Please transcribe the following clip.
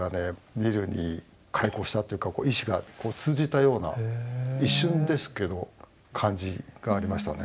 ニルに邂逅したというか意思が通じたような一瞬ですけど感じがありましたね。